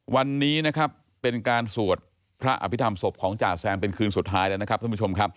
วันนี้เป็นการสวดพระอภิษฐรรมศพของจ่าแซมเป็นคืนสุดท้ายแล้ว